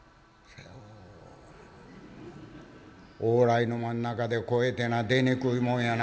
「往来の真ん中で声てぇのは出にくいもんやな